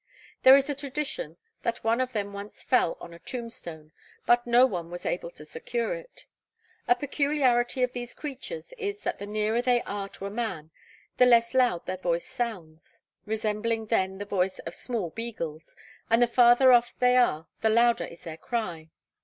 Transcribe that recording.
There is a tradition that one of them once fell on a tombstone, but no one was able to secure it. A peculiarity of these creatures is that the nearer they are to a man the less loud their voice sounds, resembling then the voice of small beagles, and the farther off they are the louder is their cry.